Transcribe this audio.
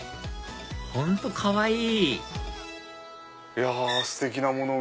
本当かわいい！